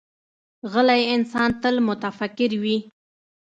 غلی انسان، تل متفکر وي.